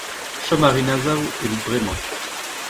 Chom a rin asav evit bremañ